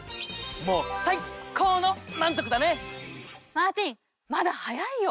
マーティンまだ早いよ。